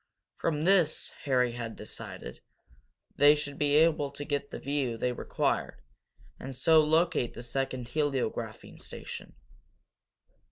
From this, Harry had decided, they should be able to get the view they required and so locate the second heliographing station.